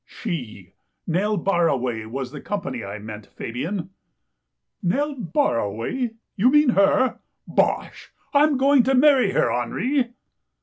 "" She, Nell Barraway was the company I meant, Fabian." "Nell Barraway — you mean her? Bosh! Fm going to marry her, Henri."